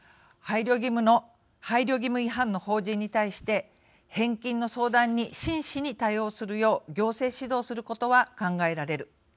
配慮義務違反の法人に対して返金の相談に真摯に対応するよう行政指導することは考えられる。